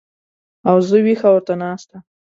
او زه وېښه ورته ناسته